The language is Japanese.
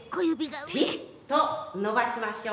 ぴっと伸ばしましょう。